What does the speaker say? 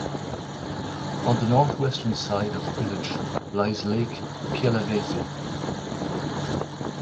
On the north-western side of the village lies lake Pielavesi.